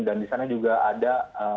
di sana juga ada